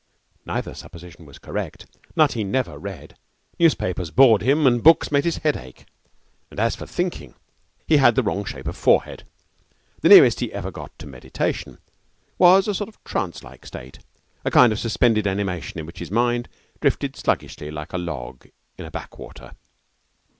Neither supposition was correct. Nutty never read. Newspapers bored him and books made his head ache. And as for thinking, he had the wrong shape of forehead. The nearest he ever got to meditation was a sort of trance like state, a kind of suspended animation in which his mind drifted sluggishly like a log in a backwater.